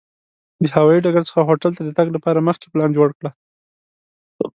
د هوایي ډګر څخه هوټل ته د تګ لپاره مخکې پلان جوړ کړه.